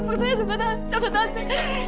seperti apa kejadiannya tante